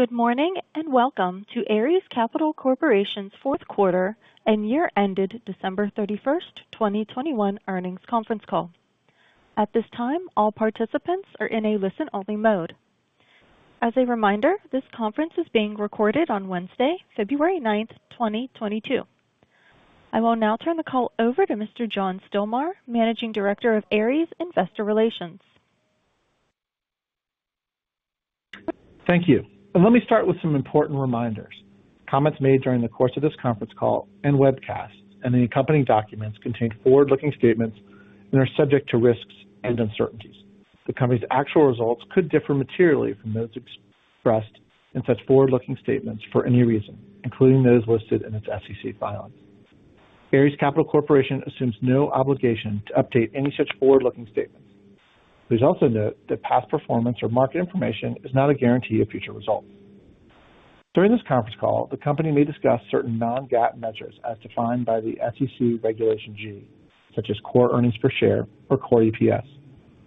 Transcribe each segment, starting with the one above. Good morning, and welcome to Ares Capital Corporation's fourth quarter and year ended December 31st, 2021 earnings conference call. At this time, all participants are in a listen-only mode. As a reminder, this conference is being recorded on Wednesday, February 9th, 2022. I will now turn the call over to Mr. John Stilmar, Managing Director of Ares Investor Relations. Thank you. Let me start with some important reminders. Comments made during the course of this conference call and webcast and any accompanying documents contain forward-looking statements and are subject to risks and uncertainties. The company's actual results could differ materially from those expressed in such forward-looking statements for any reason, including those listed in its SEC filing. Ares Capital Corporation assumes no obligation to update any such forward-looking statements. Please also note that past performance or market information is not a guarantee of future results. During this conference call, the company may discuss certain non-GAAP measures as defined by the SEC Regulation G, such as core earnings per share or core EPS.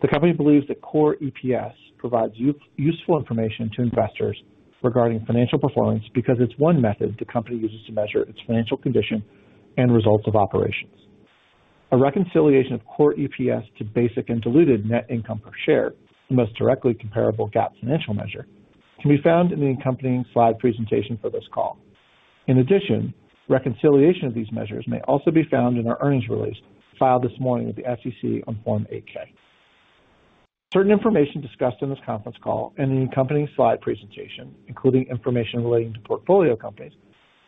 The company believes that core EPS provides useful information to investors regarding financial performance because it's one method the company uses to measure its financial condition and results of operations. A reconciliation of core EPS to basic and diluted net income per share, the most directly comparable GAAP financial measure, can be found in the accompanying slide presentation for this call. In addition, reconciliation of these measures may also be found in our earnings release filed this morning with the SEC on Form 8-K. Certain information discussed in this conference call and the accompanying slide presentation, including information relating to portfolio companies,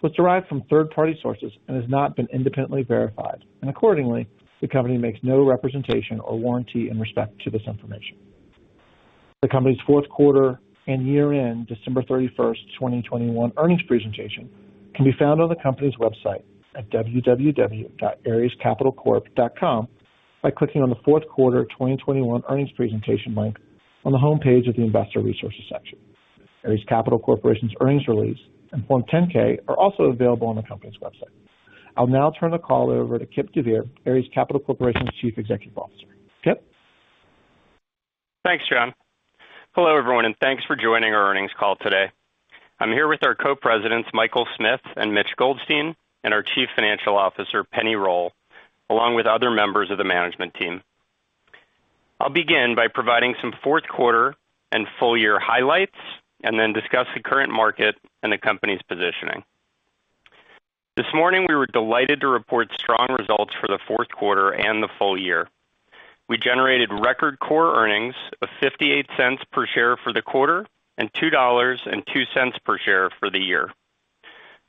was derived from third-party sources and has not been independently verified. Accordingly, the company makes no representation or warranty in respect to this information. The company's fourth quarter and year-end December 31st, 2021 earnings presentation can be found on the company's website at www.arescapitalcorp.com by clicking on the fourth quarter 2021 earnings presentation link on the homepage of the Investor Resources section. Ares Capital Corporation's earnings release and Form 10-K are also available on the company's website. I'll now turn the call over to Kipp deVeer, Ares Capital Corporation's Chief Executive Officer. Kipp? Thanks, John. Hello everyone and thanks for joining our earnings call today. I'm here with our Co-Presidents, Michael Smith and Mitch Goldstein, and our Chief Financial Officer, Penni Roll, along with other members of the management team. I'll begin by providing some fourth quarter and full year highlights, and then discuss the current market and the company's positioning. This morning, we were delighted to report strong results for the fourth quarter and the full year. We generated record core earnings of $0.58 per share for the quarter and $2.02 per share for the year.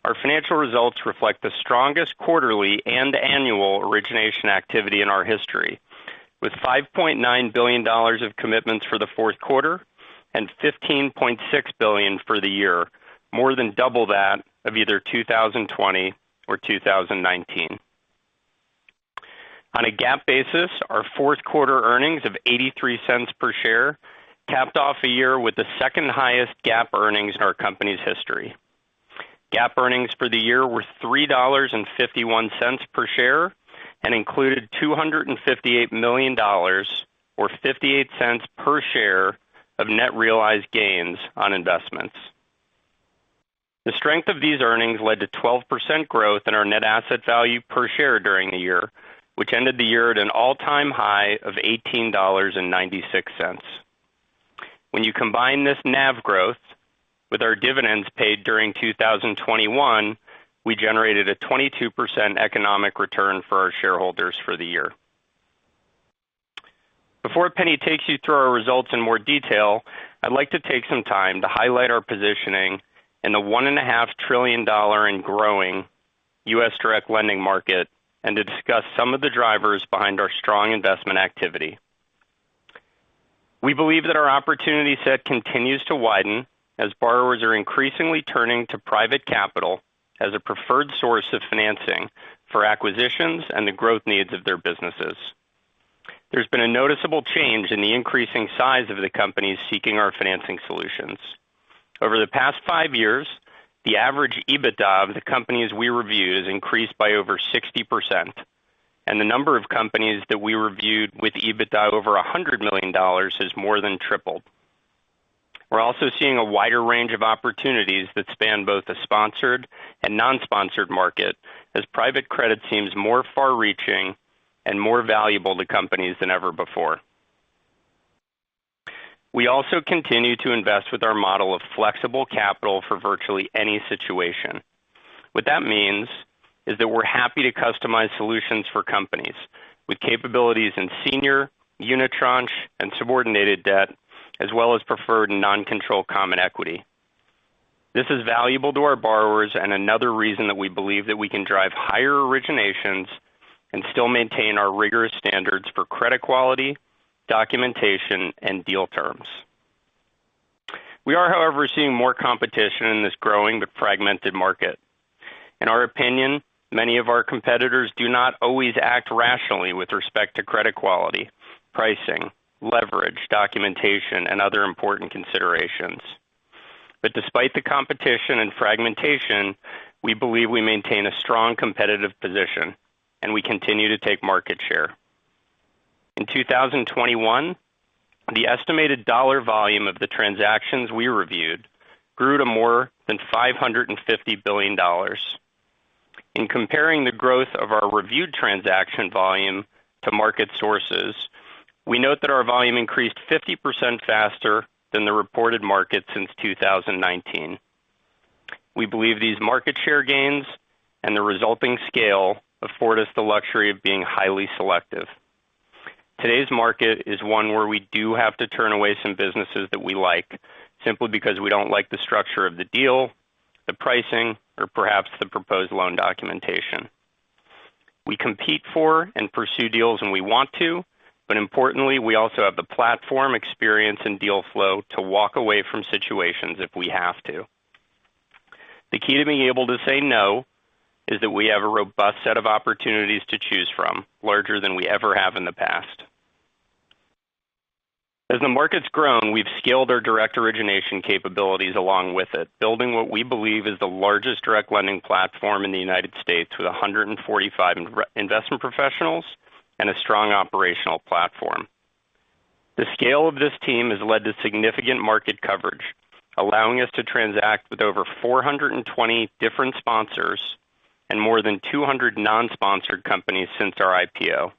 Our financial results reflect the strongest quarterly and annual origination activity in our history, with $5.9 billion of commitments for the fourth quarter and $15.6 billion for the year, more than double that of either 2020 or 2019. On a GAAP basis, our fourth quarter earnings of $0.83 per share capped off a year with the second-highest GAAP earnings in our company's history. GAAP earnings for the year were $3.51 per share and included $258 million or $0.58 per share of net realized gains on investments. The strength of these earnings led to 12% growth in our net asset value per share during the year, which ended the year at an all-time high of $18.96. When you combine this NAV growth with our dividends paid during 2021, we generated a 22% economic return for our shareholders for the year. Before Pennie takes you through our results in more detail, I'd like to take some time to highlight our positioning in the $1.5 trillion and growing U.S. direct lending market and to discuss some of the drivers behind our strong investment activity. We believe that our opportunity set continues to widen as borrowers are increasingly turning to private capital as a preferred source of financing for acquisitions and the growth needs of their businesses. There's been a noticeable change in the increasing size of the companies seeking our financing solutions. Over the past five years, the average EBITDA of the companies we review has increased by over 60%, and the number of companies that we reviewed with EBITDA over $100 million has more than tripled. We're also seeing a wider range of opportunities that span both the sponsored and non-sponsored market as private credit seems more far-reaching and more valuable to companies than ever before. We also continue to invest with our model of flexible capital for virtually any situation. What that means is that we're happy to customize solutions for companies with capabilities in senior unitranche and subordinated debt, as well as preferred non-control common equity. This is valuable to our borrowers and another reason that we believe that we can drive higher originations and still maintain our rigorous standards for credit quality, documentation, and deal terms. We are, however, seeing more competition in this growing but fragmented market. In our opinion, many of our competitors do not always act rationally with respect to credit quality, pricing, leverage, documentation, and other important considerations. Despite the competition and fragmentation, we believe we maintain a strong competitive position, and we continue to take market share. In 2021, the estimated dollar volume of the transactions we reviewed grew to more than $550 billion. In comparing the growth of our reviewed transaction volume to market sources, we note that our volume increased 50% faster than the reported market since 2019. We believe these market share gains and the resulting scale afford us the luxury of being highly selective. Today's market is one where we do have to turn away some businesses that we like, simply because we don't like the structure of the deal, the pricing, or perhaps the proposed loan documentation. We compete for and pursue deals when we want to, but importantly, we also have the platform experience and deal flow to walk away from situations if we have to. The key to being able to say no is that we have a robust set of opportunities to choose from, larger than we ever have in the past. As the market's grown, we've scaled our direct origination capabilities along with it, building what we believe is the largest direct lending platform in the United States, with 145 investment professionals and a strong operational platform. The scale of this team has led to significant market coverage, allowing us to transact with over 420 different sponsors and more than 200 non-sponsored companies since our IPO.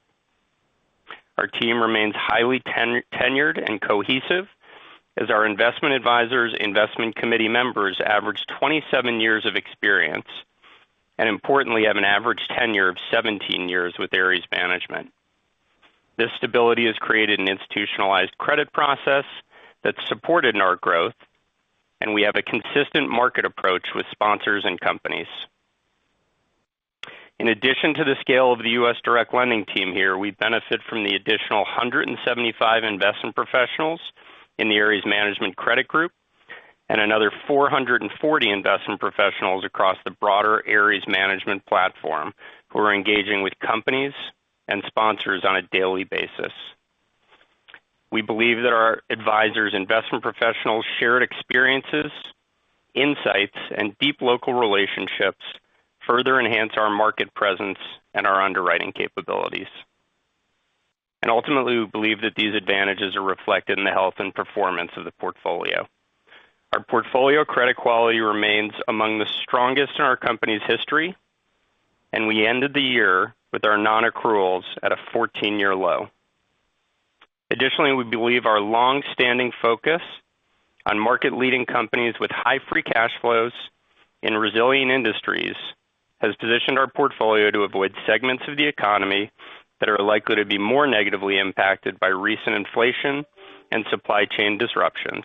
Our team remains highly tenured and cohesive as our investment advisors, investment committee members average 27 years of experience, and importantly, have an average tenure of 17 years with Ares Management. This stability has created an institutionalized credit process that's supported in our growth, and we have a consistent market approach with sponsors and companies. In addition to the scale of the U.S. direct lending team here, we benefit from the additional 175 investment professionals in the Ares Management Credit Group and another 440 investment professionals across the broader Ares Management platform who are engaging with companies and sponsors on a daily basis. We believe that our advisors' investment professionals' shared experiences, insights, and deep local relationships further enhance our market presence and our underwriting capabilities. Ultimately, we believe that these advantages are reflected in the health and performance of the portfolio. Our portfolio credit quality remains among the strongest in our company's history, and we ended the year with our non-accruals at a 14-year low. Additionally, we believe our long-standing focus on market-leading companies with high free cash flows in resilient industries has positioned our portfolio to avoid segments of the economy that are likely to be more negatively impacted by recent inflation and supply chain disruptions.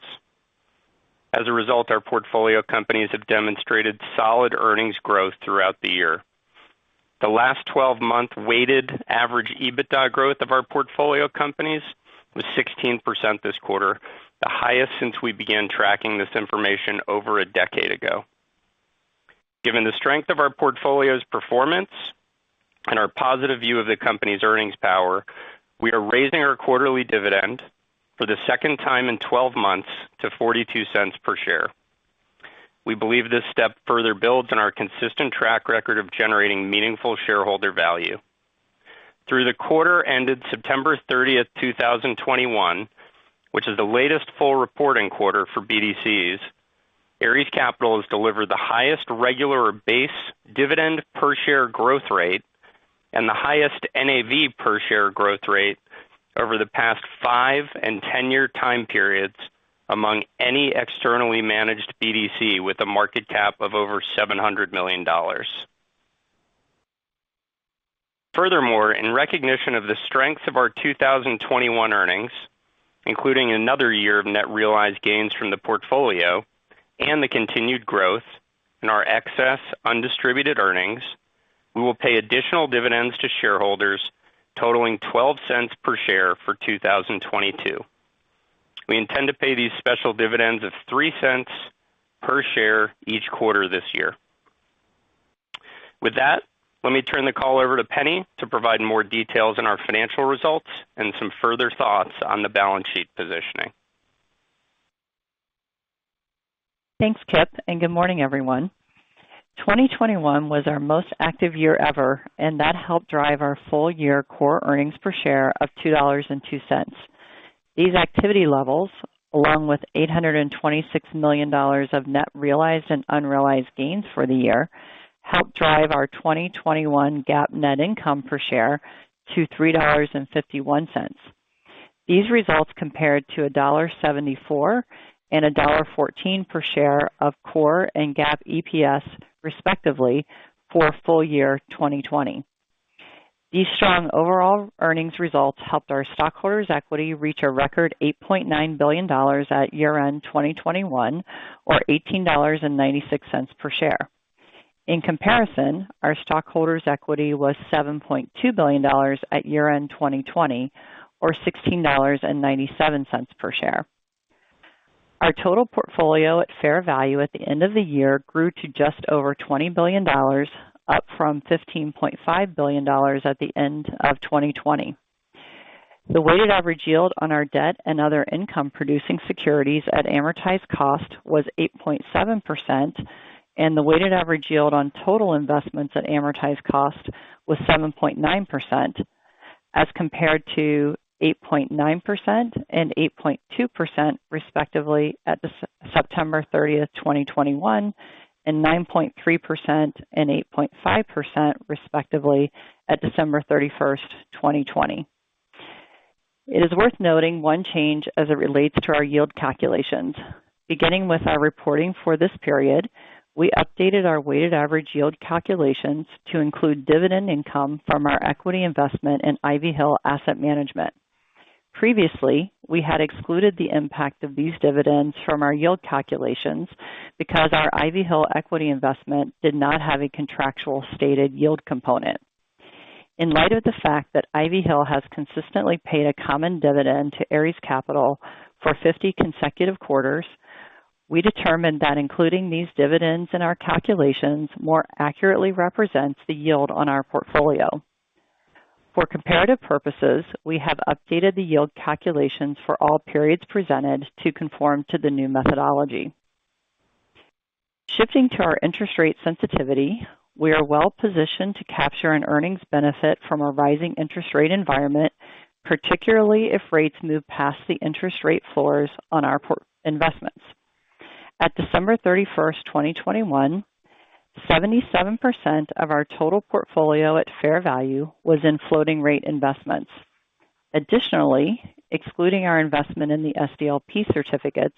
As a result, our portfolio companies have demonstrated solid earnings growth throughout the year. The last 12th month weighted average EBITDA growth of our portfolio companies was 16% this quarter, the highest since we began tracking this information over a decade ago. Given the strength of our portfolio's performance and our positive view of the company's earnings power, we are raising our quarterly dividend for the second time in 12 months to $0.42 per share. We believe this step further builds on our consistent track record of generating meaningful shareholder value. Through the quarter ended September 30th, 2021, which is the latest full reporting quarter for BDCs, Ares Capital has delivered the highest regular or base dividend per share growth rate and the highest NAV per share growth rate over the past five and 10-year time periods among any externally managed BDC with a market cap of over $700 million. Furthermore, in recognition of the strength of our 2021 earnings, including another year of net realized gains from the portfolio and the continued growth in our excess undistributed earnings, we will pay additional dividends to shareholders totaling $0.12 per share for 2022. We intend to pay these special dividends of $0.03 per share each quarter this year. With that, let me turn the call over to Penni to provide more details on our financial results and some further thoughts on the balance sheet positioning. Thanks Kipp and good morning everyone. 2021 was our most active year ever, and that helped drive our full year core earnings per share of $2.02. These activity levels, along with $826 million of net realized and unrealized gains for the year, helped drive our 2021 GAAP net income per share to $3.51. These results compared to $1.74 and $1.14 per share of core and GAAP EPS, respectively, for full year 2020. These strong overall earnings results helped our stockholders' equity reach a record $8.9 billion at year-end 2021 or $18.96 per share. In comparison, our stockholders' equity was $7.2 billion at year-end 2020 or $16.97 per share. Our total portfolio at fair value at the end of the year grew to just over $20 billion, up from $15.5 billion at the end of 2020. The weighted average yield on our debt and other income-producing securities at amortized cost was 8.7%. The weighted average yield on total investments at amortized cost was 7.9% as compared to 8.9% and 8.2% respectively at September 30th, 2021, and 9.3% and 8.5% respectively at December 31st, 2020. It is worth noting one change as it relates to our yield calculations. Beginning with our reporting for this period, we updated our weighted average yield calculations to include dividend income from our equity investment in Ivy Hill Asset Management. Previously, we had excluded the impact of these dividends from our yield calculations because our Ivy Hill equity investment did not have a contractual stated yield component. In light of the fact that Ivy Hill has consistently paid a common dividend to Ares Capital for 50 consecutive quarters, we determined that including these dividends in our calculations more accurately represents the yield on our portfolio. For comparative purposes, we have updated the yield calculations for all periods presented to conform to the new methodology. Shifting to our interest rate sensitivity, we are well-positioned to capture an earnings benefit from a rising interest rate environment, particularly if rates move past the interest rate floors on our portfolio investments. At December 31st, 2021, 77% of our total portfolio at fair value was in floating rate investments. Additionally, excluding our investment in the SDLP certificates,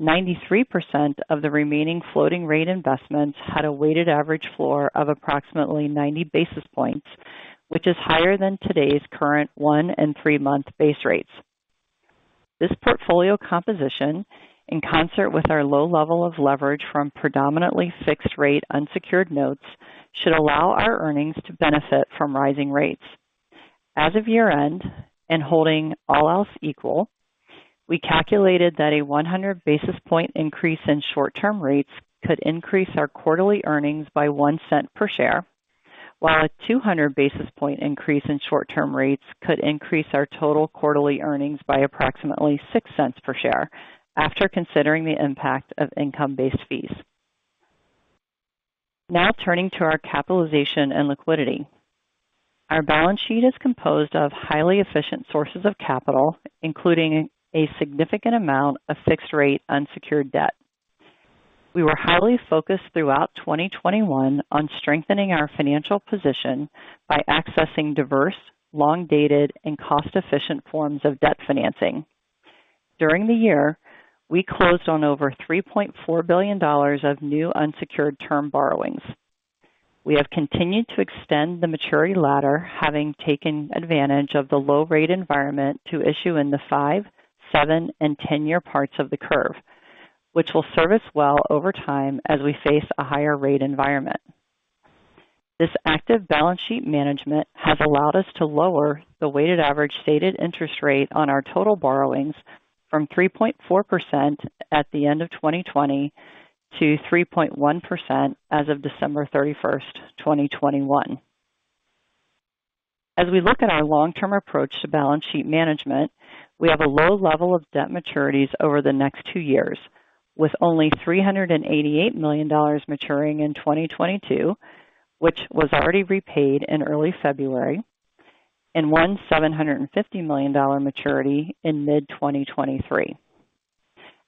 93% of the remaining floating rate investments had a weighted average floor of approximately 90 basis points, which is higher than today's current one and three-month base rates. This portfolio composition, in concert with our low level of leverage from predominantly fixed-rate unsecured notes, should allow our earnings to benefit from rising rates. As of year-end, and holding all else equal, we calculated that a 100 basis point increase in short-term rates could increase our quarterly earnings by $0.01 per share, while a 200 basis point increase in short-term rates could increase our total quarterly earnings by approximately $0.06 per share after considering the impact of income-based fees. Now turning to our capitalization and liquidity. Our balance sheet is composed of highly efficient sources of capital, including a significant amount of fixed-rate unsecured debt. We were highly focused throughout 2021 on strengthening our financial position by accessing diverse, long-dated, and cost-efficient forms of debt financing. During the year, we closed on over $3.4 billion of new unsecured term borrowings. We have continued to extend the maturity ladder, having taken advantage of the low rate environment to issue in the five, seven, and 10-year parts of the curve, which will serve us well over time as we face a higher rate environment. This active balance sheet management has allowed us to lower the weighted average stated interest rate on our total borrowings from 3.4% at the end of 2020 to 3.1% as of December 31st, 2021. As we look at our long-term approach to balance sheet management, we have a low level of debt maturities over the next two years, with only $388 million maturing in 2022, which was already repaid in early February, and $1,750 million maturity in mid-2023.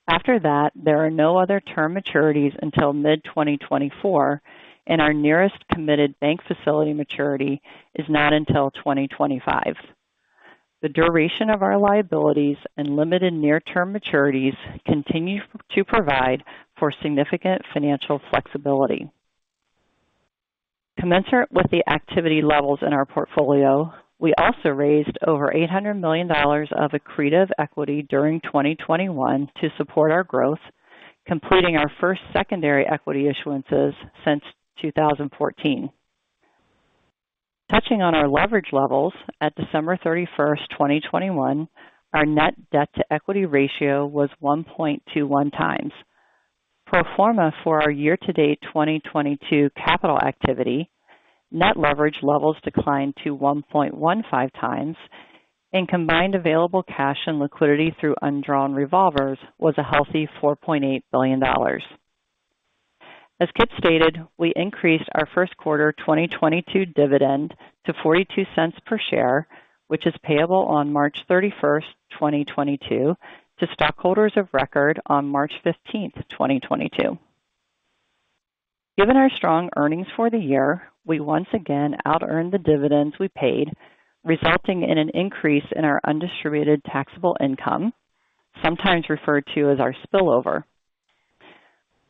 After that, there are no other term maturities until mid-2024, and our nearest committed bank facility maturity is not until 2025. The duration of our liabilities and limited near-term maturities continue to provide for significant financial flexibility. Commensurate with the activity levels in our portfolio, we also raised over $800 million of accretive equity during 2021 to support our growth, completing our first secondary equity issuances since 2014. Touching on our leverage levels at December 31st, 2021, our net debt-to-equity ratio was 1.21x. Pro forma for our year-to-date 2022 capital activity, net leverage levels declined to 1.15 tix, and combined available cash and liquidity through undrawn revolvers was a healthy $4.8 billion. As Kipp stated, we increased our first quarter 2022 dividend to $0.42 per share, which is payable on March 31st, 2022, to stockholders of record on March 15th, 2022. Given our strong earnings for the year, we once again outearned the dividends we paid, resulting in an increase in our undistributed taxable income, sometimes referred to as our spillover.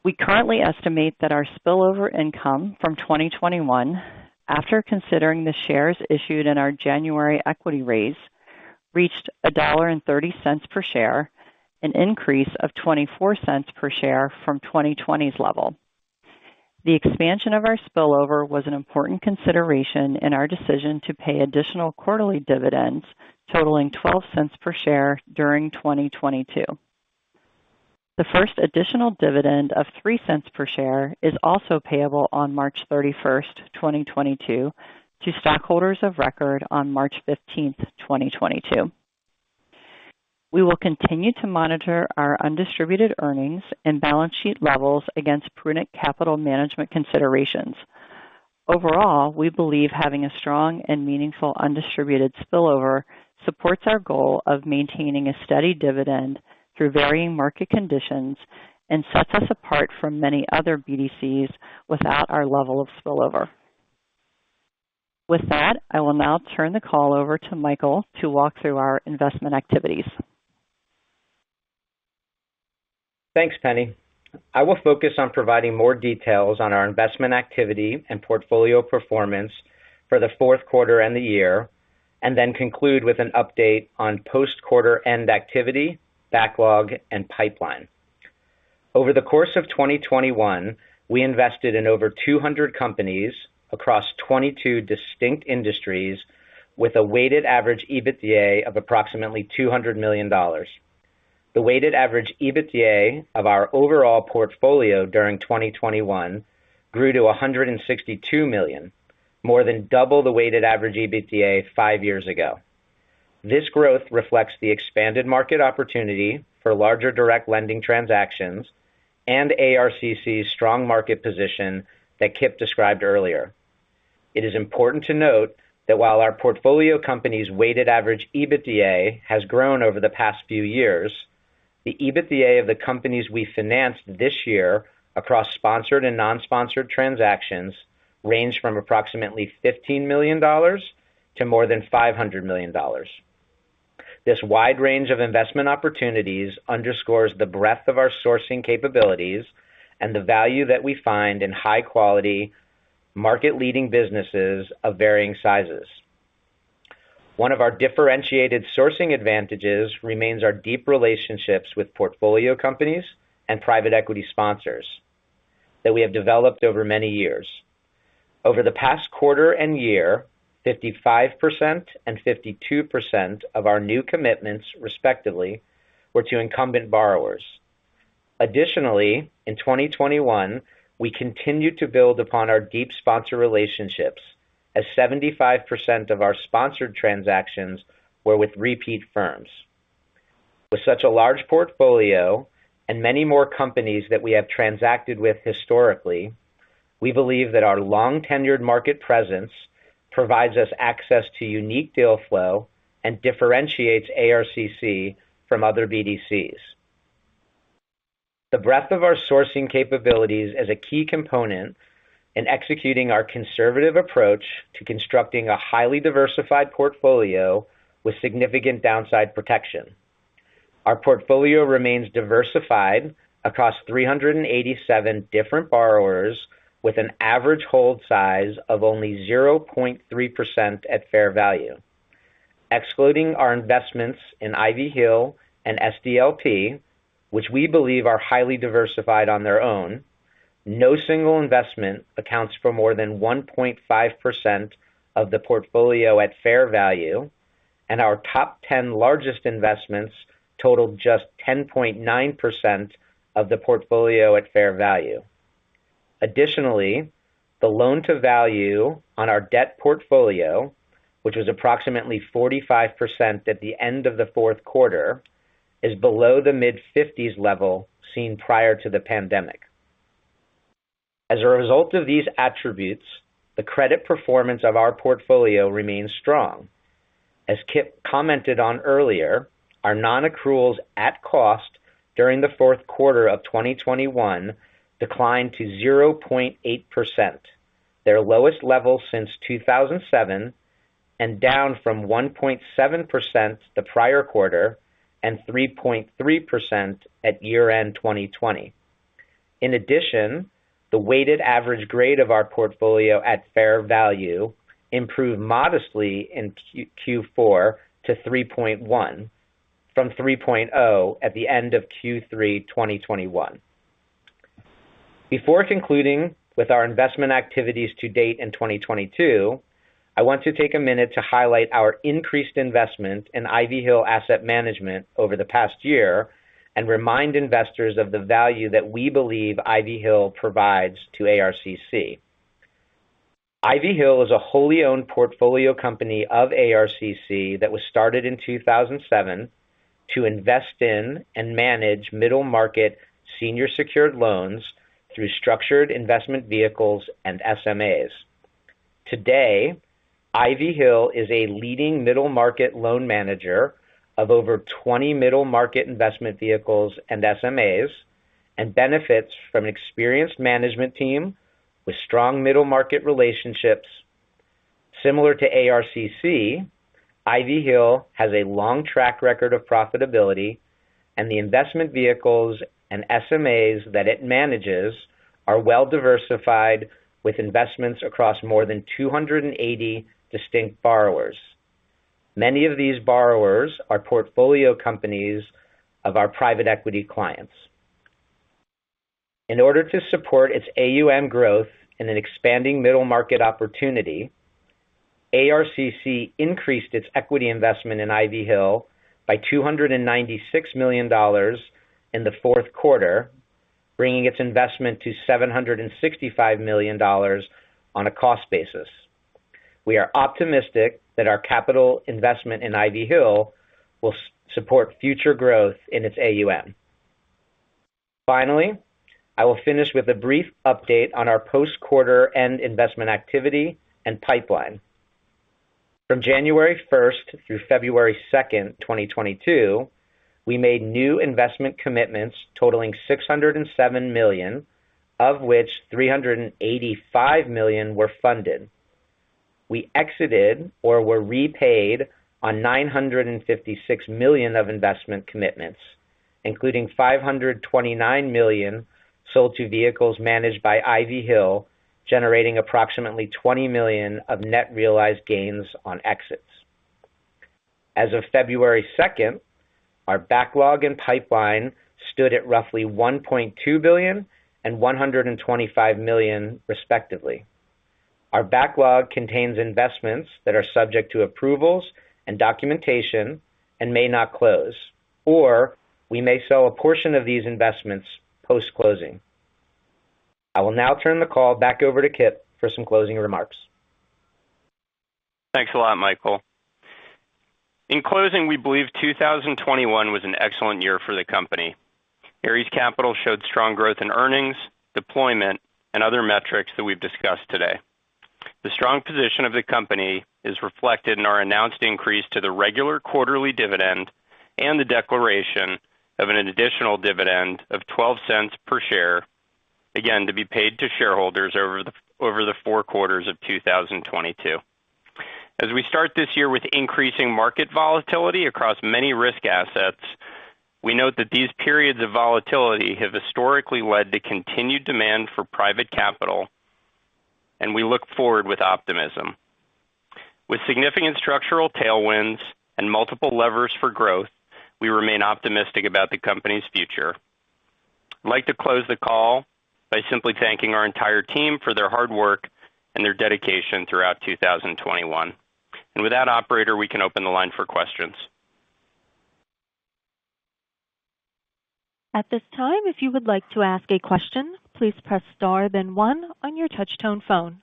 We currently estimate that our spillover income from 2021, after considering the shares issued in our January equity raise, reached $1.30 per share, an increase of $0.24 per share from 2020's level. The expansion of our spillover was an important consideration in our decision to pay additional quarterly dividends totaling $0.12 per share during 2022. The first additional dividend of $0.03 per share is also payable on March 31st, 2022, to stockholders of record on March 15th, 2022. We will continue to monitor our undistributed earnings and balance sheet levels against prudent capital management considerations. Overall, we believe having a strong and meaningful undistributed spillover supports our goal of maintaining a steady dividend through varying market conditions and sets us apart from many other BDCs without our level of spillover. With that, I will now turn the call over to Michael to walk through our investment activities. Thanks, Penni. I will focus on providing more details on our investment activity and portfolio performance for the fourth quarter and the year, and then conclude with an update on post-quarter-end activity, backlog, and pipeline. Over the course of 2021, we invested in over 200 companies across 22 distinct industries with a weighted average EBITDA of approximately $200 million. The weighted average EBITDA of our overall portfolio during 2021 grew to $162 million, more than double the weighted average EBITDA five years ago. This growth reflects the expanded market opportunity for larger direct lending transactions and ARCC's strong market position that Kipp described earlier. It is important to note that while our portfolio company's weighted average EBITDA has grown over the past few years, the EBITDA of the companies we financed this year across sponsored and non-sponsored transactions ranged from approximately $15 million to more than $500 million. This wide range of investment opportunities underscores the breadth of our sourcing capabilities and the value that we find in high-quality, market-leading businesses of varying sizes. One of our differentiated sourcing advantages remains our deep relationships with portfolio companies and private equity sponsors that we have developed over many years. Over the past quarter and year, 55% and 52% of our new commitments, respectively, were to incumbent borrowers. Additionally, in 2021, we continued to build upon our deep sponsor relationships as 75% of our sponsored transactions were with repeat firms. With such a large portfolio and many more companies that we have transacted with historically, we believe that our long-tenured market presence provides us access to unique deal flow and differentiates ARCC from other BDCs. The breadth of our sourcing capabilities is a key component in executing our conservative approach to constructing a highly diversified portfolio with significant downside protection. Our portfolio remains diversified across 387 different borrowers with an average hold size of only 0.3% at fair value. Excluding our investments in Ivy Hill and SDLP, which we believe are highly diversified on their own, no single investment accounts for more than 1.5% of the portfolio at fair value, and our top ten largest investments total just 10.9% of the portfolio at fair value. Additionally, the loan-to-value on our debt portfolio, which was approximately 45% at the end of the fourth quarter, is below the mid-50s level seen prior to the pandemic. As a result of these attributes, the credit performance of our portfolio remains strong. As Kipp commented on earlier, our non-accruals at cost during the fourth quarter of 2021 declined to 0.8%, their lowest level since 2007, and down from 1.7% the prior quarter and 3.3% at year-end 2020. In addition, the weighted average grade of our portfolio at fair value improved modestly in Q4 to 3.1 from 3.0 at the end of Q3 2021. Before concluding with our investment activities to date in 2022, I want to take a minute to highlight our increased investment in Ivy Hill Asset Management over the past year and remind investors of the value that we believe Ivy Hill provides to ARCC. Ivy Hill is a wholly owned portfolio company of ARCC that was started in 2007 to invest in and manage middle market senior secured loans through structured investment vehicles and SMAs. Today, Ivy Hill is a leading middle market loan manager of over 20 middle market investment vehicles and SMAs, and benefits from an experienced management team with strong middle market relationships. Similar to ARCC, Ivy Hill has a long track record of profitability, and the investment vehicles and SMAs that it manages are well diversified, with investments across more than 280 distinct borrowers. Many of these borrowers are portfolio companies of our private equity clients. In order to support its AUM growth in an expanding middle market opportunity, ARCC increased its equity investment in Ivy Hill by $296 million in the fourth quarter, bringing its investment to $765 million on a cost basis. We are optimistic that our capital investment in Ivy Hill will support future growth in its AUM. Finally, I will finish with a brief update on our post-quarter end investment activity and pipeline. From January 1st through February 2nd, 2022, we made new investment commitments totaling $607 million, of which $385 million were funded. We exited or were repaid on $956 million of investment commitments, including $529 million sold to vehicles managed by Ivy Hill, generating approximately $20 million of net realized gains on exits. As of February 2nd, our backlog and pipeline stood at roughly $1.2 billion and $125 million, respectively. Our backlog contains investments that are subject to approvals and documentation and may not close, or we may sell a portion of these investments post-closing. I will now turn the call back over to Kipp for some closing remarks. Thanks a lot, Michael. In closing, we believe 2021 was an excellent year for the company. Ares Capital showed strong growth in earnings, deployment, and other metrics that we've discussed today. The strong position of the company is reflected in our announced increase to the regular quarterly dividend and the declaration of an additional dividend of $0.12 per share, again, to be paid to shareholders over the four quarters of 2022. As we start this year with increasing market volatility across many risk assets, we note that these periods of volatility have historically led to continued demand for private capital, and we look forward with optimism. With significant structural tailwinds and multiple levers for growth, we remain optimistic about the company's future. I'd like to close the call by simply thanking our entire team for their hard work and their dedication throughout 2021. With that, operator, we can open the line for questions. At this time, if you would like to ask a question, please press star then one on your touch tone phone.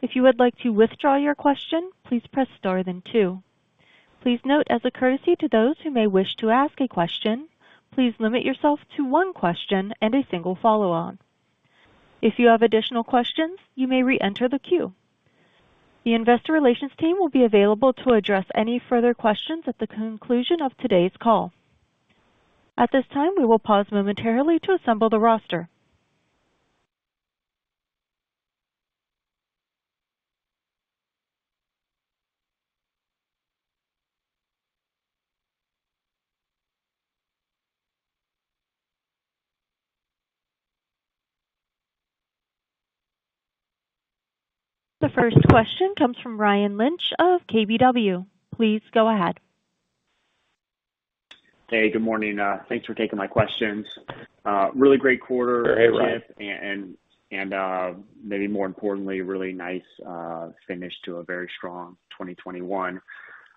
If you would like to withdraw your question, please press star then two. Please note as a courtesy to those who may wish to ask a question, please limit yourself to one question and a single follow-on. If you have additional questions, you may reenter the queue. The investor relations team will be available to address any further questions at the conclusion of today's call. At this time, we will pause momentarily to assemble the roster. The first question comes from Ryan Lynch of KBW. Please go ahead. Hey, good morning. Thanks for taking my questions. Really great quarter. Hey, Ryan. Maybe more importantly, really nice finish to a very strong 2021.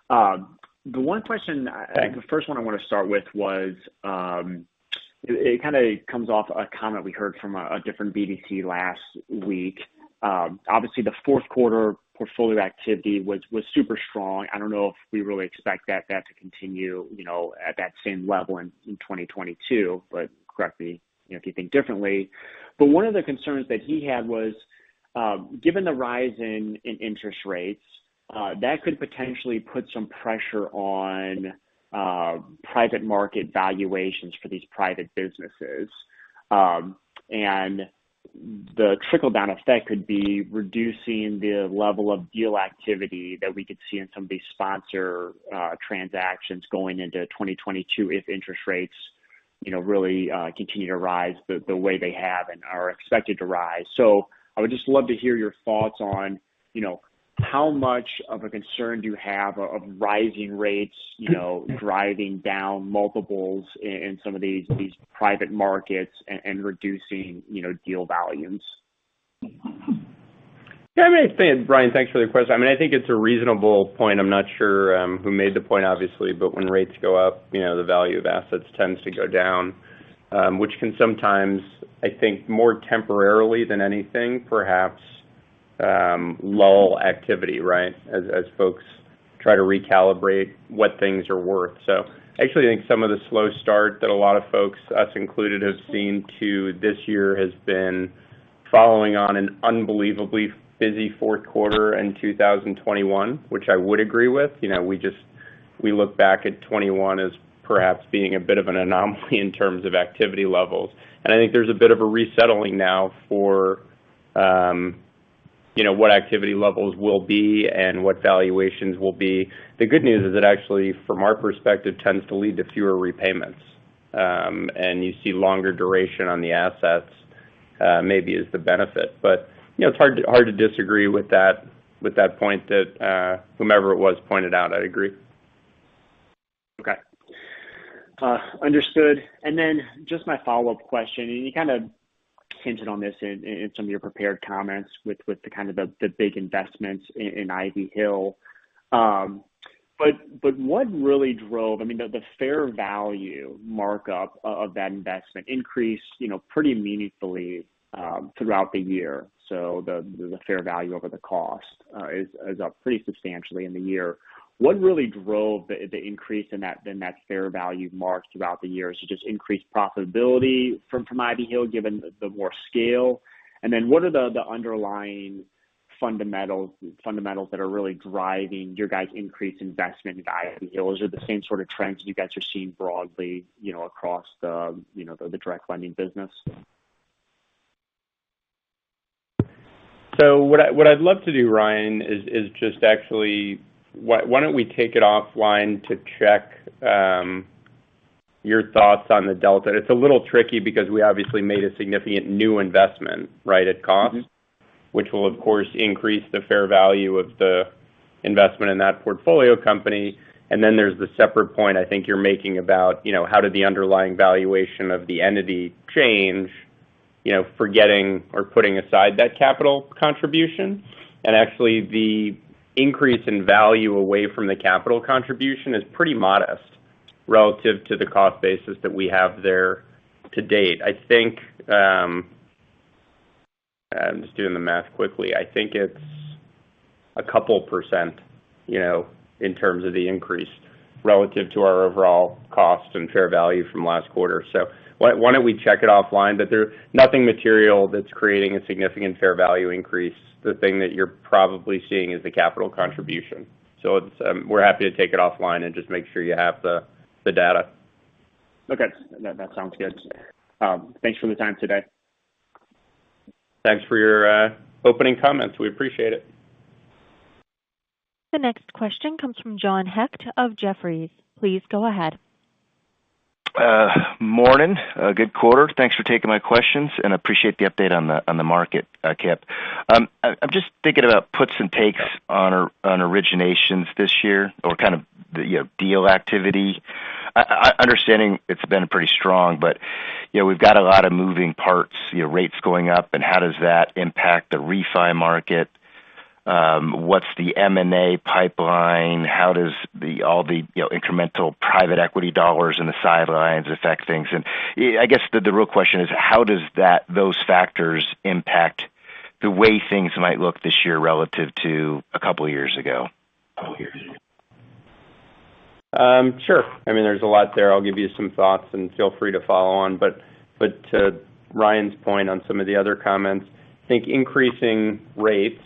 The one question, the first one I wanna start with was, it kinda comes off a comment we heard from a different BDC last week. Obviously the fourth quarter portfolio activity was super strong. I don't know if we really expect that to continue, you know, at that same level in 2022, but correct me, you know, if you think differently. One of the concerns that he had was, given the rise in interest rates, that could potentially put some pressure on private market valuations for these private businesses. The trickle-down effect could be reducing the level of deal activity that we could see in some of these sponsor transactions going into 2022 if interest rates, you know, really continue to rise the way they have and are expected to rise. I would just love to hear your thoughts on, you know, how much of a concern do you have of rising rates, you know, driving down multiples in some of these private markets and reducing, you know, deal volumes. Yeah, I mean, Ryan, thanks for the question. I mean, I think it's a reasonable point. I'm not sure who made the point, obviously, but when rates go up, you know, the value of assets tends to go down, which can sometimes, I think more temporarily than anything, perhaps, lull activity, right? As folks try to recalibrate what things are worth. I actually think some of the slow start that a lot of folks, us included, have seen to this year has been following on an unbelievably busy fourth quarter in 2021, which I would agree with. You know, we look back at 2021 as perhaps being a bit of an anomaly in terms of activity levels. I think there's a bit of a resettling now for, you know, what activity levels will be and what valuations will be. The good news is that actually, from our perspective, tends to lead to fewer repayments. You see longer duration on the assets, maybe is the benefit. You know, it's hard to disagree with that point that whomever it was pointed out. I agree. Okay. Understood. Just my follow-up question, and you kinda hinted on this in some of your prepared comments with the kind of the big investments in Ivy Hill. What really drove? I mean, the fair value markup of that investment increased, you know, pretty meaningfully throughout the year. The fair value over the cost is up pretty substantially in the year. What really drove the increase in that fair value mark throughout the year? Is it just increased profitability from Ivy Hill given the more scale? What are the underlying fundamentals that are really driving your guys' increased investment in Ivy Hill? Is it the same sort of trends you guys are seeing broadly, you know, across the direct lending business? What I'd love to do, Ryan, is just actually why don't we take it offline to check your thoughts on the delta? It's a little tricky because we obviously made a significant new investment, right, at cost. Mm-hmm. Which will of course increase the fair value of the investment in that portfolio company. Then there's the separate point I think you're making about, you know, how did the underlying valuation of the entity change, you know, forgetting or putting aside that capital contribution. Actually the increase in value away from the capital contribution is pretty modest relative to the cost basis that we have there to date. I think, I'm just doing the math quickly. I think it's a couple percent, you know, in terms of the increase relative to our overall cost and fair value from last quarter. Why don't we check it offline? There's nothing material that's creating a significant fair value increase. The thing that you're probably seeing is the capital contribution. It's, We're happy to take it offline and just make sure you have the data. Okay. That sounds good. Thanks for the time today. Thanks for your opening comments. We appreciate it. The next question comes from John Hecht of Jefferies. Please go ahead. Morning. A good quarter. Thanks for taking my questions, and appreciate the update on the market, Kipp. I'm just thinking about puts and takes on originations this year or kind of the you know, deal activity. Understanding it's been pretty strong, but you know, we've got a lot of moving parts, you know, rates going up, and how does that impact the refi market? What's the M&A pipeline? How does all the you know, incremental private equity dollars in the sidelines affect things? I guess the real question is: How does those factors impact the way things might look this year relative to a couple years ago? Sure. I mean, there's a lot there. I'll give you some thoughts, and feel free to follow on. But to Ryan's point on some of the other comments, I think increasing rates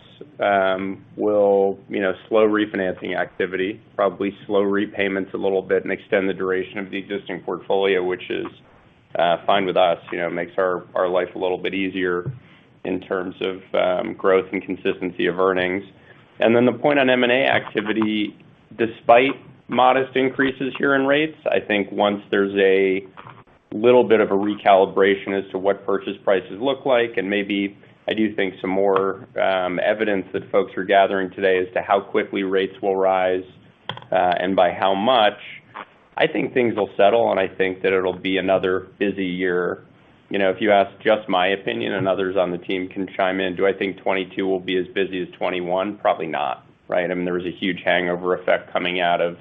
will, you know, slow refinancing activity, probably slow repayments a little bit and extend the duration of the existing portfolio, which is fine with us. You know, it makes our life a little bit easier in terms of growth and consistency of earnings. The point on M&A activity, despite modest increases here in rates, I think once there's a little bit of a recalibration as to what purchase prices look like, and maybe I do think some more evidence that folks are gathering today as to how quickly rates will rise, and by how much, I think things will settle, and I think that it'll be another busy year. You know, if you ask just my opinion, and others on the team can chime in, do I think 2022 will be as busy as 2021? Probably not, right? I mean, there was a huge hangover effect coming out of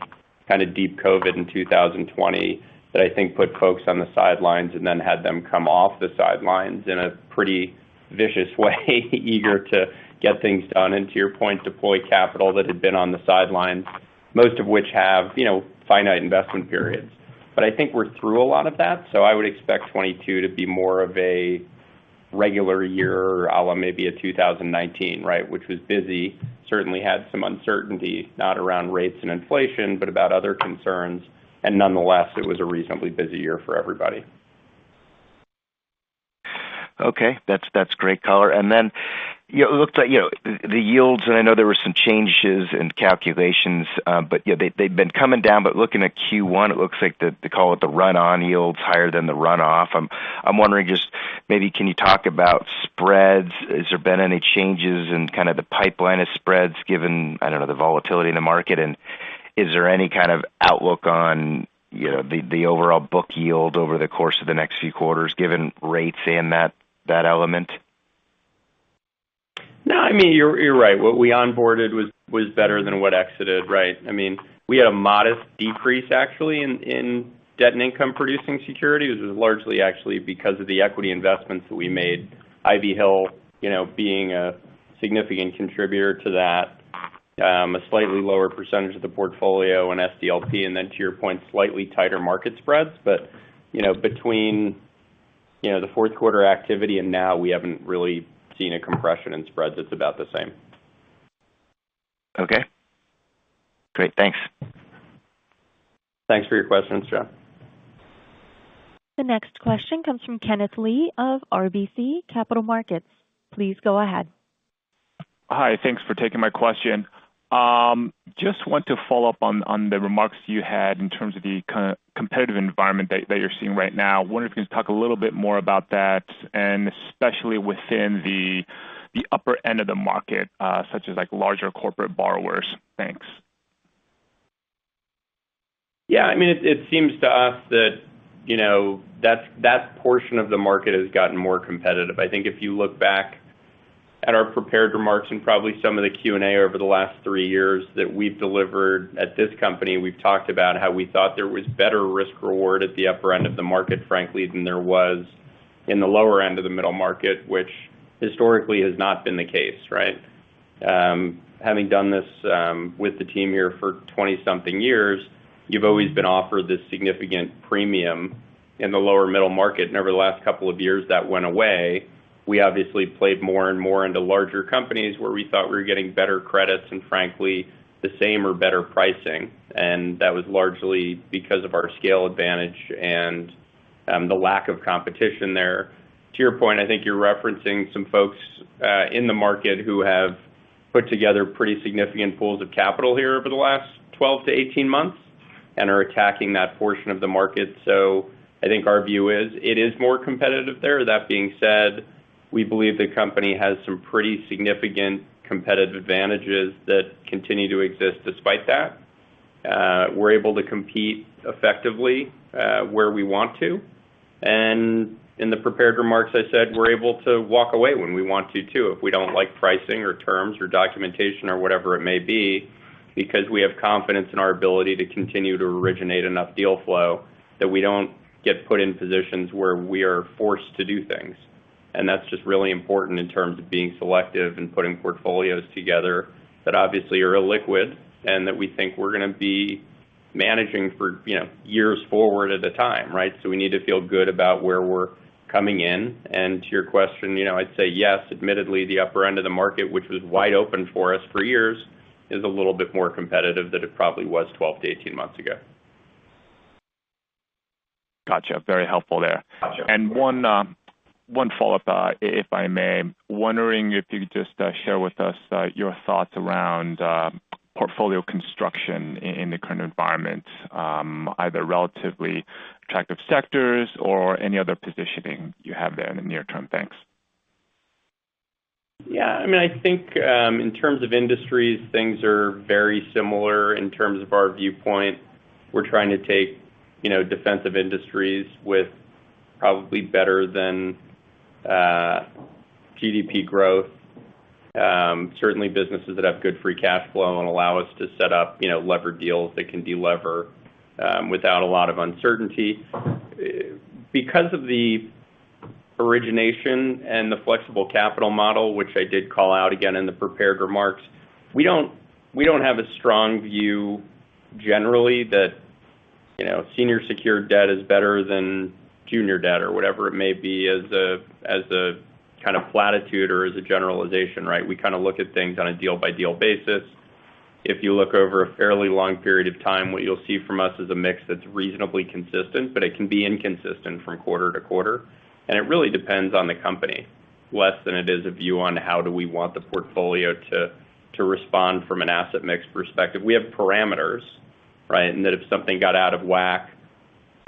kind of deep COVID in 2020 that I think put folks on the sidelines and then had them come off the sidelines in a pretty vicious way eager to get things done. To your point, deploy capital that had been on the sidelines, most of which have, you know, finite investment periods. I think we're through a lot of that, so I would expect 2022 to be more of a regular year a la maybe 2019, right, which was busy. Certainly had some uncertainty, not around rates and inflation, but about other concerns. Nonetheless, it was a reasonably busy year for everybody. Okay. That's great color. You know, it looks like the yields, and I know there were some changes in calculations, but yeah, they've been coming down. Looking at Q1, it looks like they call it the run-rate yield's higher than the run-off. I'm wondering just maybe can you talk about spreads. Has there been any changes in the pipeline of spreads given the volatility in the market? Is there any kind of outlook on the overall book yield over the course of the next few quarters given rates and that element? No, I mean you're right. What we onboarded was better than what exited, right? I mean, we had a modest decrease actually in debt and income producing securities. It was largely actually because of the equity investments that we made. Ivy Hill, you know, being a significant contributor to that. A slightly lower percentage of the portfolio in SDLP. Then to your point, slightly tighter market spreads. But you know, between you know, the fourth quarter activity and now we haven't really seen a compression in spreads. It's about the same. Okay. Great. Thanks. Thanks for your questions, John. The next question comes from Kenneth Lee of RBC Capital Markets. Please go ahead. Hi. Thanks for taking my question. Just want to follow up on the remarks you had in terms of the competitive environment that you're seeing right now. Wonder if you can talk a little bit more about that, and especially within the upper end of the market, such as like larger corporate borrowers? Thanks. Yeah. I mean, it seems to us that, you know, that portion of the market has gotten more competitive. I think if you look back at our prepared remarks and probably some of the Q&A over the last three years that we've delivered at this company, we've talked about how we thought there was better risk reward at the upper end of the market, frankly, than there was in the lower end of the middle market, which historically has not been the case, right? Having done this with the team here for 20-something years, you've always been offered this significant premium in the lower middle market. Over the last couple of years, that went away. We obviously played more and more into larger companies where we thought we were getting better credits and frankly, the same or better pricing. That was largely because of our scale advantage and the lack of competition there. To your point, I think you're referencing some folks in the market who have put together pretty significant pools of capital here over the last 12-18 months and are attacking that portion of the market. I think our view is it is more competitive there. That being said, we believe the company has some pretty significant competitive advantages that continue to exist despite that. We're able to compete effectively where we want to. In the prepared remarks I said, we're able to walk away when we want to too, if we don't like pricing or terms or documentation or whatever it may be, because we have confidence in our ability to continue to originate enough deal flow that we don't get put in positions where we are forced to do things. That's just really important in terms of being selective and putting portfolios together that obviously are illiquid and that we think we're gonna be managing for, you know, years forward at a time, right? We need to feel good about where we're coming in. To your question, you know, I'd say yes, admittedly, the upper end of the market, which was wide open for us for years, is a little bit more competitive than it probably was 12-18 months ago. Got you. Very helpful there. Got you. One follow-up, if I may. Wondering if you could just share with us your thoughts around portfolio construction in the current environment, either relatively attractive sectors or any other positioning you have there in the near term. Thanks. Yeah, I mean, I think in terms of industries, things are very similar in terms of our viewpoint. We're trying to take, you know, defensive industries with probably better than GDP growth. Certainly businesses that have good free cash flow and allow us to set up, you know, levered deals that can delever without a lot of uncertainty. Because of the origination and the flexible capital model, which I did call out again in the prepared remarks, we don't have a strong view generally that, you know, senior secured debt is better than junior debt or whatever it may be as a kind of platitude or as a generalization, right? We kinda look at things on a deal-by-deal basis. If you look over a fairly long period of time, what you'll see from us is a mix that's reasonably consistent, but it can be inconsistent from quarter-to-quarter, and it really depends on the company more than it is a view on how we want the portfolio to respond from an asset mix perspective. We have parameters, right? That if something got out of whack,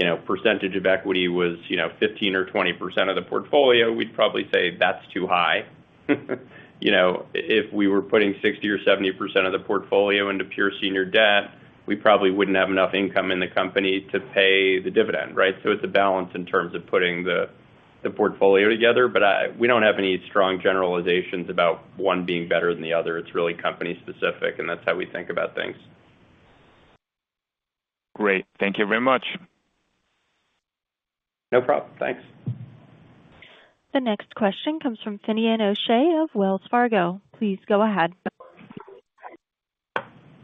you know, percentage of equity was, you know, 15% or 20% of the portfolio, we'd probably say, "That's too high." You know, if we were putting 60% or 70% of the portfolio into pure senior debt, we probably wouldn't have enough income in the company to pay the dividend, right? So it's a balance in terms of putting the portfolio together. We don't have any strong generalizations about one being better than the other. It's really company specific, and that's how we think about things. Great. Thank you very much. No problem. Thanks. The next question comes from Finian O'Shea of Wells Fargo. Please go ahead.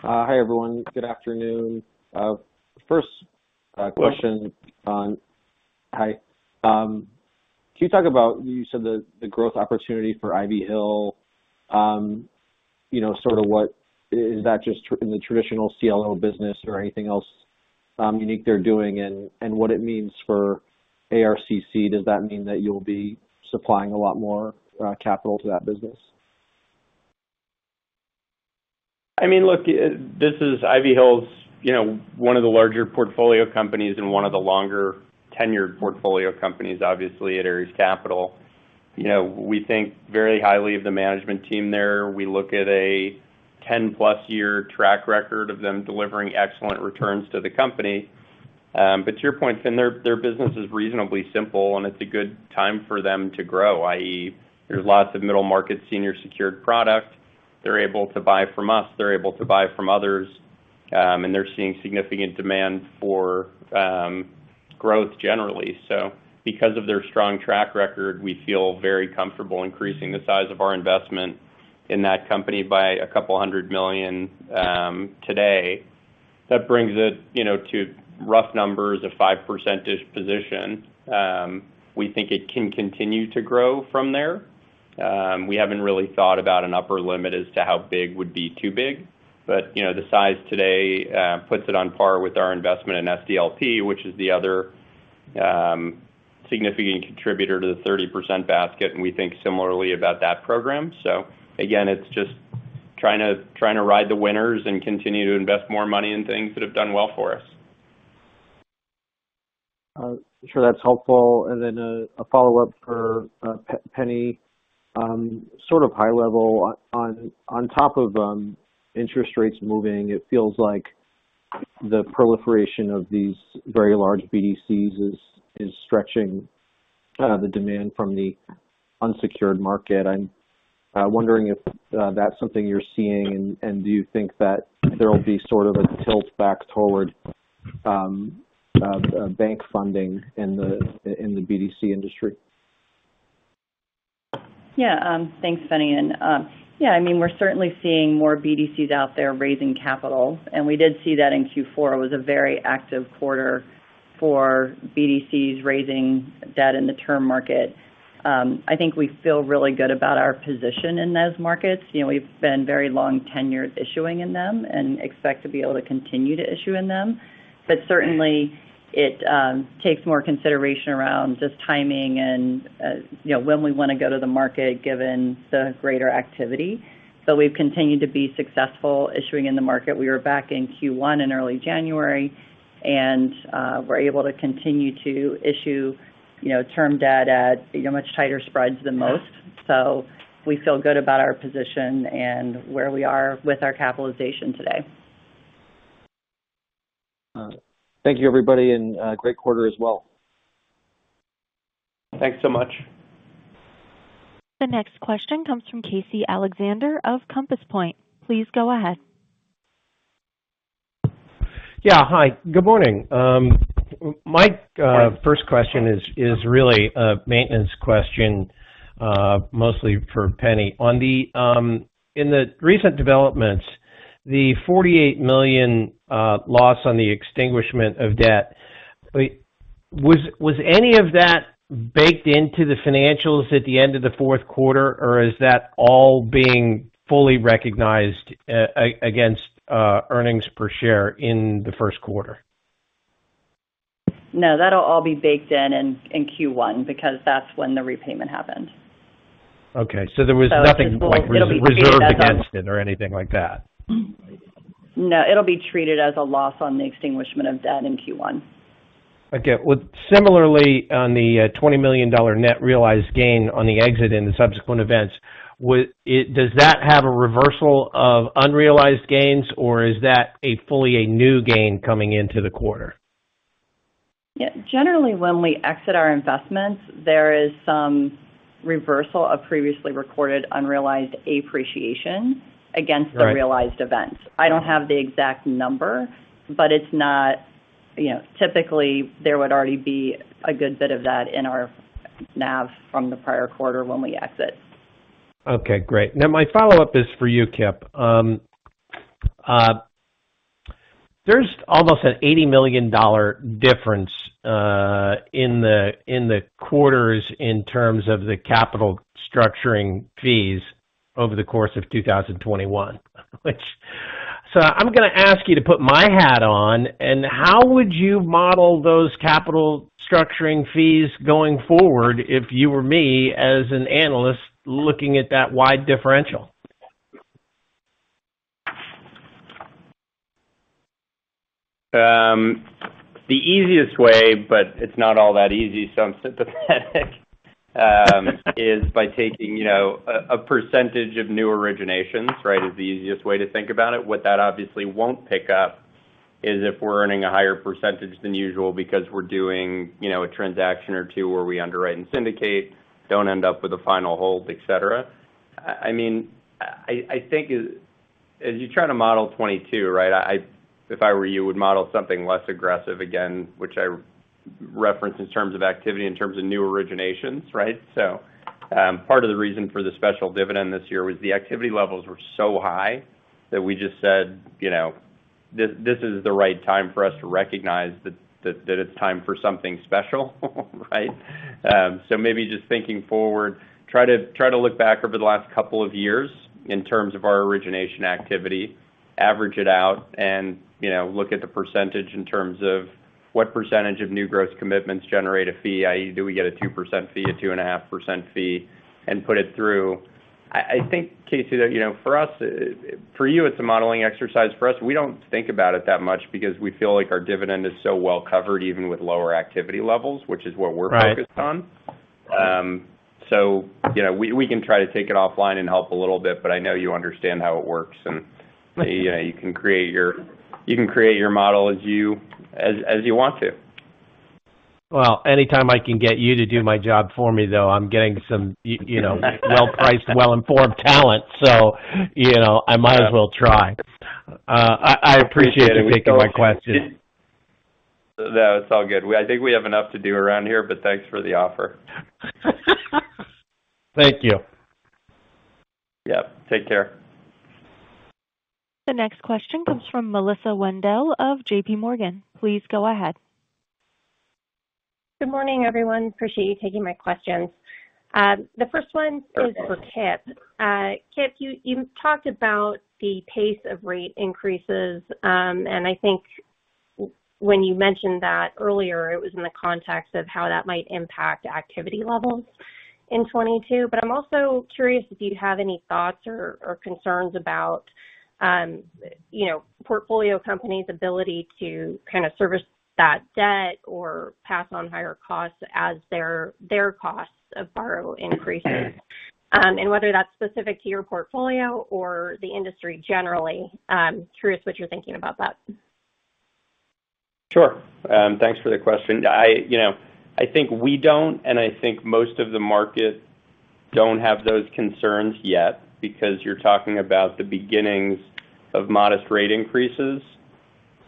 Hi, everyone. Good afternoon. First, question on. Hello. Hi, can you talk about you said the growth opportunity for Ivy Hill, you know, sort of what is that just in the traditional CLO business or anything else unique they're doing and what it means for ARCC? Does that mean that you'll be supplying a lot more capital to that business? I mean, look, this is Ivy Hill's, you know, one of the larger portfolio companies and one of the longer tenured portfolio companies, obviously, at Ares Capital. You know, we think very highly of the management team there. We look at a 10+ year track record of them delivering excellent returns to the company. But to your point, Finn, their business is reasonably simple, and it's a good time for them to grow, i.e., there's lots of middle market senior secured product. They're able to buy from us, they're able to buy from others, and they're seeing significant demand for growth generally. So because of their strong track record, we feel very comfortable increasing the size of our investment in that company by $200 million today. That brings it, you know, to rough numbers of 5% position. We think it can continue to grow from there. We haven't really thought about an upper limit as to how big would be too big. You know, the size today puts it on par with our investment in SDLP, which is the other significant contributor to the 30% basket, and we think similarly about that program. Again, it's just trying to ride the winners and continue to invest more money in things that have done well for us. I'm sure that's helpful. A follow-up for Penni. Sort of high level on top of interest rates moving, it feels like the proliferation of these very large BDCs is stretching the demand from the unsecured market. I'm wondering if that's something you're seeing, and do you think that there will be sort of a tilt back toward the bank funding in the BDC industry? Yeah. Thanks, Finian. Yeah, I mean, we're certainly seeing more BDCs out there raising capital. We did see that in Q4. It was a very active quarter for BDCs raising debt in the term market. I think we feel really good about our position in those markets. You know, we've been very long tenured issuing in them and expect to be able to continue to issue in them. Certainly it takes more consideration around just timing and, you know, when we wanna go to the market, given the greater activity. We've continued to be successful issuing in the market. We were back in Q1 in early January, and we're able to continue to issue, you know, term debt at, you know, much tighter spreads than most. We feel good about our position and where we are with our capitalization today. All right. Thank you everybody, and great quarter as well. Thanks so much. The next question comes from Casey Alexander of Compass Point. Please go ahead. Yeah. Hi. Good morning. My first question is really a maintenance question, mostly for Penni. In the recent developments, the $48 million loss on the extinguishment of debt, was any of that baked into the financials at the end of the fourth quarter, or is that all being fully recognized against earnings per share in the first quarter? No, that'll all be baked in in Q1 because that's when the repayment happened. Okay. There was nothing. It'll be. Like, re-reserved against it or anything like that. No, it'll be treated as a loss on the extinguishment of debt in Q1. Okay. Well, similarly, on the $20 million net realized gain on the exit in the subsequent events, does that have a reversal of unrealized gains, or is that fully a new gain coming into the quarter? Yeah. Generally, when we exit our investments, there is some reversal of previously recorded unrealized appreciation against- Right The realized events. I don't have the exact number, but it's not. You know, typically, there would already be a good bit of that in our NAV from the prior quarter when we exit. Okay, great. Now my follow-up is for you, Kipp. There's almost an $80 million difference in the quarters in terms of the capital structuring fees over the course of 2021 which. I'm gonna ask you to put my hat on, and how would you model those capital structuring fees going forward if you were me as an analyst looking at that wide differential? The easiest way, but it's not all that easy, so I'm sympathetic, is by taking, you know, a percentage of new originations, right, is the easiest way to think about it. What that obviously won't pick up is if we're earning a higher percentage than usual because we're doing, you know, a transaction or two where we underwrite and syndicate, don't end up with a final hold, et cetera. I mean, I think as you try to model 2022, right? If I were you, I would model something less aggressive again, which I reference in terms of activity, in terms of new originations, right? Part of the reason for the special dividend this year was the activity levels were so high that we just said, you know, this is the right time for us to recognize that it's time for something special, right? Maybe just thinking forward, try to look back over the last couple of years in terms of our origination activity, average it out and, you know, look at the percentage in terms of what percentage of new gross commitments generate a fee, i.e., do we get a 2% fee, a 2.5% fee, and put it through. I think, Casey, that you know, for you, it's a modeling exercise. For us, we don't think about it that much because we feel like our dividend is so well covered even with lower activity levels, which is what we're focused on. Right. You know, we can try to take it offline and help a little bit, but I know you understand how it works, and you know, you can create your model as you want to. Well, anytime I can get you to do my job for me, though, I'm getting some, you know, well-priced, well-informed talent. You know, I might as well try. I appreciate you taking my question. No, it's all good. I think we have enough to do around here, but thanks for the offer. Thank you. Yeah. Take care. The next question comes from Melissa Wedel of JPMorgan. Please go ahead. Good morning, everyone. Appreciate you taking my questions. The first one is for Kipp. Kipp, you talked about the pace of rate increases. I think when you mentioned that earlier, it was in the context of how that might impact activity levels. In 2022. I'm also curious if you have any thoughts or concerns about, you know, portfolio company's ability to kind of service that debt or pass on higher costs as their costs of borrowing increases. Whether that's specific to your portfolio or the industry generally. Curious what you're thinking about that. Sure. Thanks for the question. You know, I think we don't, and I think most of the market don't have those concerns yet because you're talking about the beginnings of modest rate increases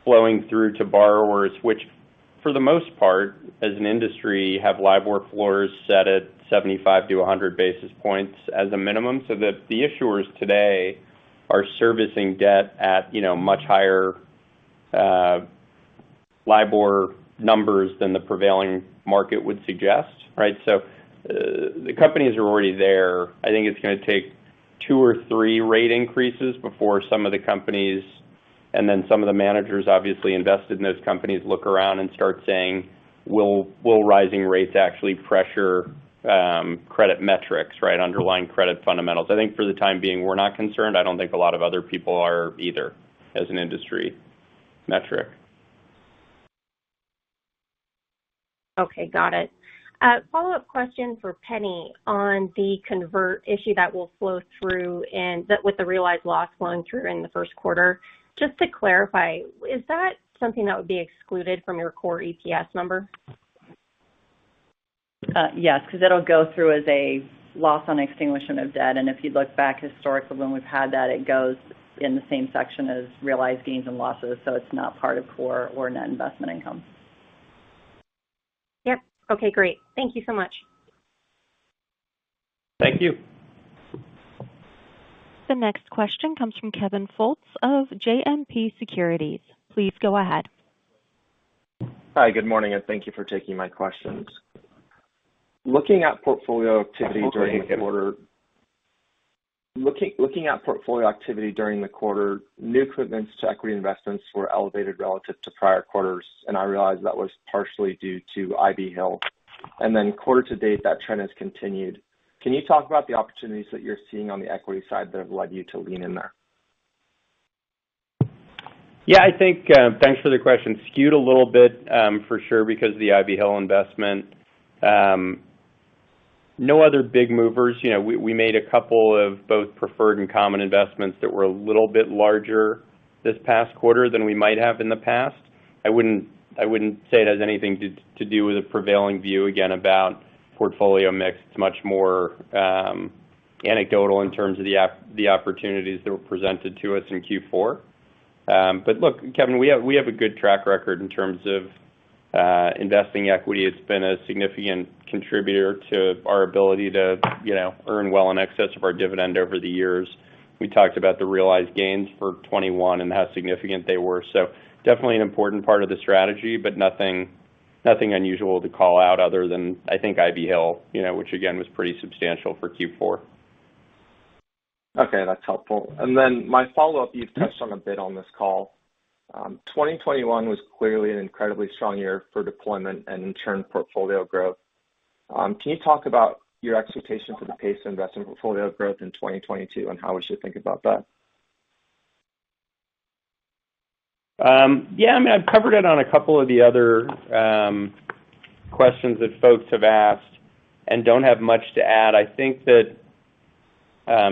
flowing through to borrowers, which for the most part as an industry have LIBOR floors set at 75-100 basis points as a minimum. The issuers today are servicing debt at, you know, much higher LIBOR numbers than the prevailing market would suggest, right? The companies are already there. I think it's gonna take two or three rate increases before some of the companies, and then some of the managers obviously invested in those companies look around and start saying, "Will rising rates actually pressure credit metrics?" Right? Underlying credit fundamentals. I think for the time being, we're not concerned. I don't think a lot of other people are either as an industry metric. Okay, got it. Follow-up question for Penni on the convert issue that will flow through but with the realized loss flowing through during the first quarter. Just to clarify, is that something that would be excluded from your core EPS number? Yes, because it'll go through as a loss on extinguishment of debt. If you look back historically when we've had that, it goes in the same section as realized gains and losses. It's not part of core or net investment income. Yep. Okay, great. Thank you so much. Thank you. The next question comes from Kevin Fultz of JMP Securities. Please go ahead. Hi, good morning, and thank you for taking my questions. Looking at portfolio activity during the quarter, new commitments to equity investments were elevated relative to prior quarters, and I realize that was partially due to Ivy Hill. Then quarter to date, that trend has continued. Can you talk about the opportunities that you're seeing on the equity side that have led you to lean in there? Yeah, I think, thanks for the question. Skewed a little bit, for sure, because of the Ivy Hill investment. No other big movers. You know, we made a couple of both preferred and common investments that were a little bit larger this past quarter than we might have in the past. I wouldn't say it has anything to do with a prevailing view, again, about portfolio mix. It's much more anecdotal in terms of the opportunities that were presented to us in Q4. Look, Kevin, we have a good track record in terms of investing equity. It's been a significant contributor to our ability to, you know, earn well in excess of our dividend over the years. We talked about the realized gains for 2021 and how significant they were. Definitely an important part of the strategy, but nothing unusual to call out other than, I think Ivy Hill, you know, which again, was pretty substantial for Q4. Okay, that's helpful. My follow-up, you've touched on a bit on this call. 2021 was clearly an incredibly strong year for deployment and in turn, portfolio growth. Can you talk about your expectations for the pace of investment portfolio growth in 2022, and how we should think about that? Yeah, I mean, I've covered it on a couple of the other questions that folks have asked and don't have much to add. I think that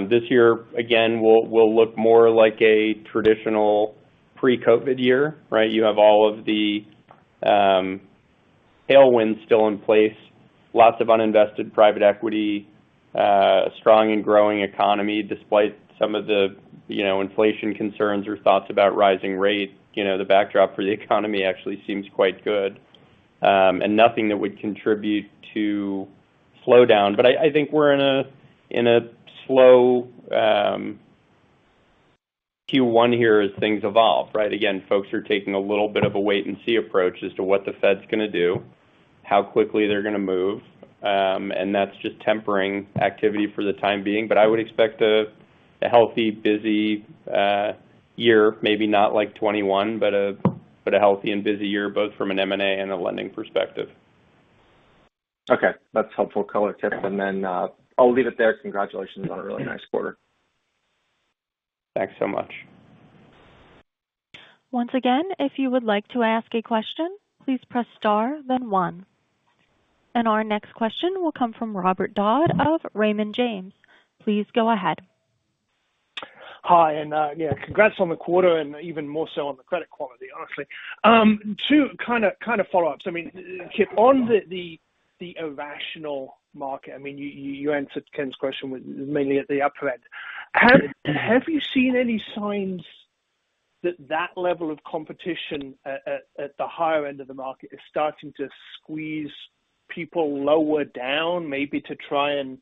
this year, again, will look more like a traditional pre-COVID year, right? You have all of the tailwinds still in place, lots of uninvested private equity, strong and growing economy despite some of the, you know, inflation concerns or thoughts about rising rates. You know, the backdrop for the economy actually seems quite good, and nothing that would contribute to slowdown. But I think we're in a slow Q1 here as things evolve, right? Again, folks are taking a little bit of a wait and see approach as to what the Fed's gonna do, how quickly they're gonna move. That's just tempering activity for the time being. I would expect a healthy, busy year, maybe not like 2021, but a healthy and busy year, both from an M&A and a lending perspective. Okay, that's helpful color, Kipp. I'll leave it there. Congratulations on a really nice quarter. Thanks so much. Our next question will come from Robert Dodd of Raymond James. Please go ahead. Hi, yeah, congrats on the quarter and even more so on the credit quality, honestly. Two kinda follow-ups. I mean, Kipp, on the irrational market, I mean, you answered Ken's question with mainly at the upper end. Have you seen any signs that that level of competition at the higher end of the market is starting to squeeze people lower down, maybe to try and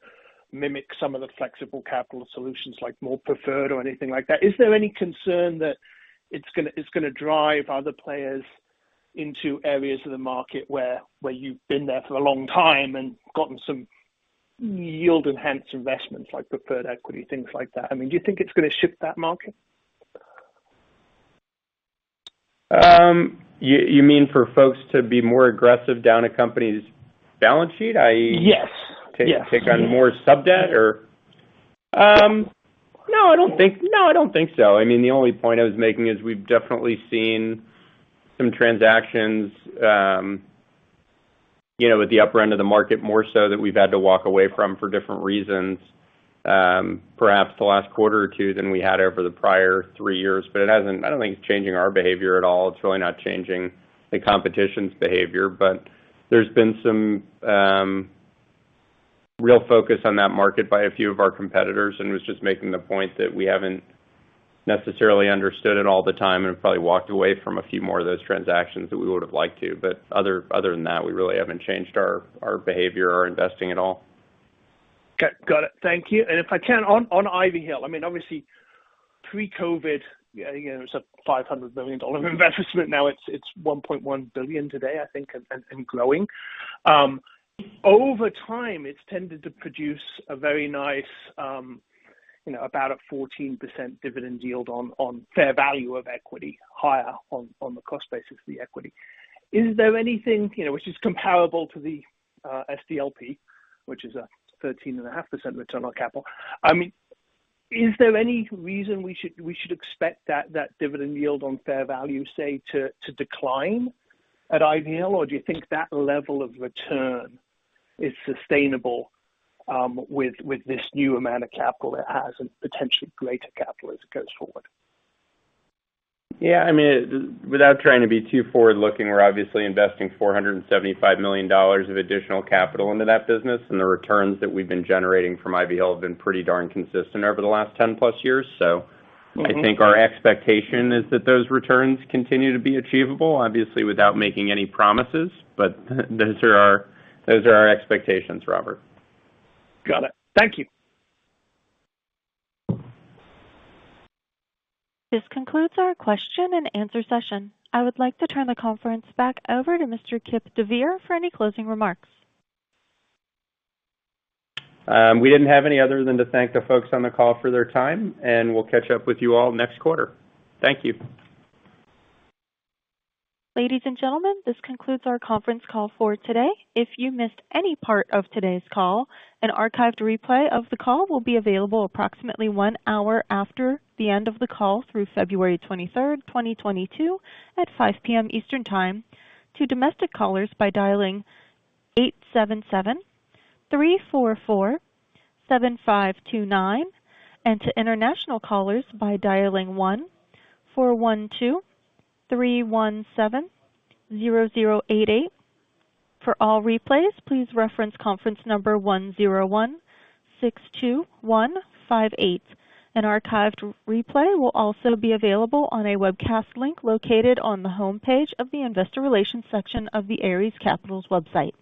mimic some of the flexible capital solutions like more preferred or anything like that? Is there any concern that it's gonna drive other players into areas of the market where you've been there for a long time and gotten some yield enhanced investments like preferred equity, things like that? I mean, do you think it's gonna shift that market? You mean for folks to be more aggressive down a company's balance sheet? Yes. Yes. No, I don't think so. I mean, the only point I was making is we've definitely seen some transactions, you know, at the upper end of the market more so than we've had to walk away from for different reasons, perhaps the last quarter or two than we had over the prior three years. It hasn't. I don't think it's changing our behavior at all. It's really not changing the competition's behavior. There's been some real focus on that market by a few of our competitors and I was just making the point that we haven't necessarily understood it all the time and have probably walked away from a few more of those transactions than we would've liked to. Other than that, we really haven't changed our behavior or investing at all. Okay. Got it. Thank you. If I can, on Ivy Hill, I mean, obviously pre-COVID, you know, it was a $500 million investment. Now it's $1.1 billion today, I think, and growing. Over time, it's tended to produce a very nice, you know, about a 14% dividend yield on fair value of equity, higher on the cost basis of the equity. Is there anything, you know, which is comparable to the SDLP, which is a 13.5% return on capital. I mean, is there any reason we should expect that dividend yield on fair value, say, to decline at Ivy Hill? Do you think that level of return is sustainable, with this new amount of capital it has and potentially greater capital as it goes forward? Yeah, I mean, without trying to be too forward-looking, we're obviously investing $475 million of additional capital into that business, and the returns that we've been generating from Ivy Hill have been pretty darn consistent over the last 10+ years. I think our expectation is that those returns continue to be achievable, obviously, without making any promises. Those are our expectations, Robert. Got it. Thank you. This concludes our question and answer session. I would like to turn the conference back over to Mr. Kipp deVeer for any closing remarks. We didn't have any other than to thank the folks on the call for their time, and we'll catch up with you all next quarter. Thank you. Ladies and gentlemen, this concludes our conference call for today. If you missed any part of today's call, an archived replay of the call will be available approximately one hour after the end of the call through February 23rd, 2022 at 5 P.M. Eastern Time to domestic callers by dialing 877-344-7529 and to international callers by dialing 1-412-317-0088. For all replays, please reference conference number 10162158. An archived replay will also be available on a webcast link located on the homepage of the investor relations section of Ares Capital's website.